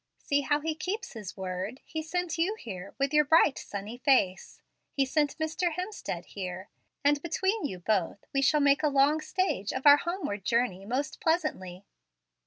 See how He keeps His word. He sent you here, with your bright, sunny face. He sent Mr. Hemstead here; and between you both we shall make a long stage of our homeward journey most pleasantly."